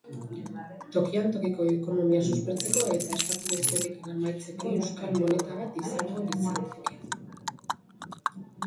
Tokian tokiko ekonomia suspertzeko eta espekulazioarekin amaitzeko euskal moneta bat izango litzateke.